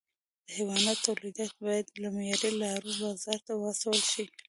د حیواناتو تولیدات باید له معیاري لارو بازار ته واستول شي.